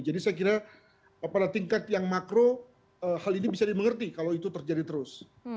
jadi saya kira pada tingkat yang makro hal ini bisa dimengerti kalau itu terjadi terus